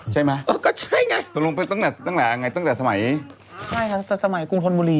ใช่มั้ยเออก็ใช่ไงตรงลงไปตั้งแต่ตั้งแต่ไหนตั้งแต่สมัยใช่ค่ะตั้งแต่สมัยกรุงธนบุรี